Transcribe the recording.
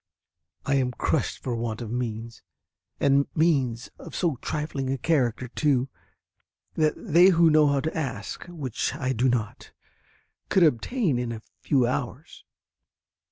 I am crushed for want of means, and means of so trifling a character, too, that they who know how to ask (which I do not) could obtain in a few hours....